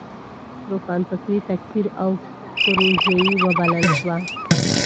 روښانفکري تکفیر او پروژيي وبلل شوه.